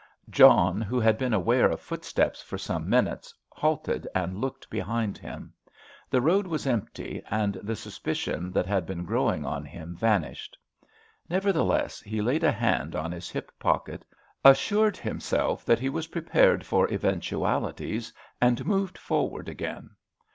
John, who had been aware of footsteps for some minutes, halted and looked behind him. The road was empty, and the suspicion that had been growing on him vanished. Nevertheless, he laid a hand on his hip pocket, assured himself that he was prepared for eventualities and moved forward again.